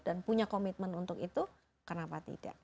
dan punya komitmen untuk itu kenapa tidak